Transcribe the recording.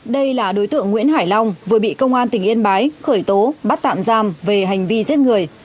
đây là đối tượng nguyễn hải long vừa bị công an tỉnh yên bái khởi tố bắt tạm giam về hành vi giết người